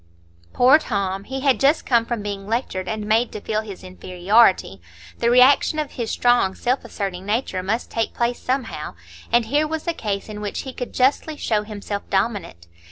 Poor Tom! he had just come from being lectured and made to feel his inferiority; the reaction of his strong, self asserting nature must take place somehow; and here was a case in which he could justly show himself dominant.